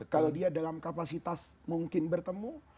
kalau dia dalam kapasitas mungkin bertemu